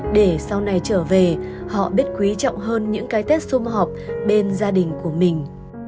để sau này trở về họ biết quý trọng hơn những cái tết xung họp bên gia đình của mình